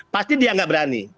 pasti dia gak berani